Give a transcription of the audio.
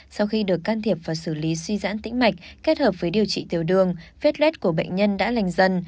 sau khi được can thiệp và xử lý suy dãn tĩnh mạch kết hợp với điều trị tiểu đường vết lết của bệnh nhân đã lành dần